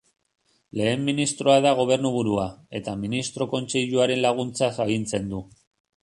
Lehen ministroa da gobernuburua, eta ministro-kontseiluaren laguntzaz agintzen du.